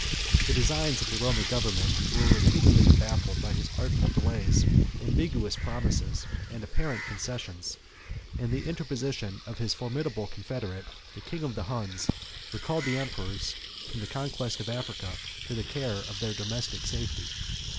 The designs of the Roman government were repeatedly baffled by his artful delays, ambiguous promises, and apparent concessions; and the interposition of his formidable confederate, the king of the Huns, recalled the emperors from the conquest of Africa to the care of their domestic safety.